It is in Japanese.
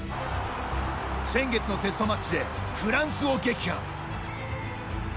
先月のテストマッチでフランスを撃破。